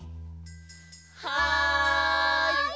はい！